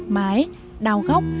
mái đào góc